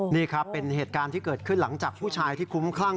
นี่ครับเป็นเหตุการณ์ที่เกิดขึ้นหลังจากผู้ชายที่คุ้มคลั่ง